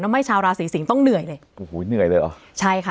ทำให้ชาวราศีสิงศ์ต้องเหนื่อยเลยโอ้โหเหนื่อยเลยเหรอใช่ค่ะ